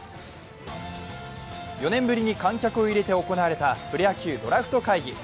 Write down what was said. ４年ぶりに観客を入れて行われたプロ野球ドラフト会議。